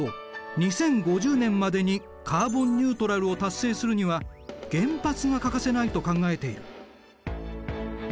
２０５０年までにカーボンニュートラルを達成するには原発が欠かせないと考えている。